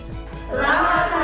selamat hari pendidikan nasional